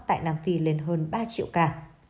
tại nam phi lên hơn ba triệu ca